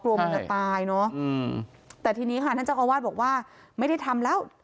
กลัวมันจะตายเนอะอืมแต่ทีนี้ค่ะท่านเจ้าอาวาสบอกว่าไม่ได้ทำแล้ว